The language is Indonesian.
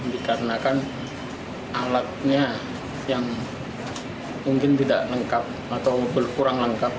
dikarenakan alatnya yang mungkin tidak lengkap atau berkurang lengkap